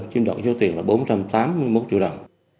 chiếm đoạt số tiền là bốn trăm tám mươi một triệu đồng